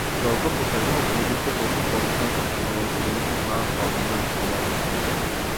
Човекот посегнува по убиство токму поттикнат од природата, бидејќи таа тоа му го советува.